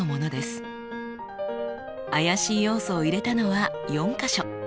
怪しい要素を入れたのは４か所。